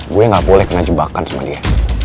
gue gak boleh kena jebakan sama dia